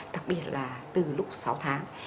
đặc biệt là từ lúc sáu tháng